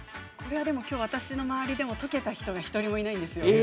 私の周りでもこれは解けた人が１人もいないんですよ。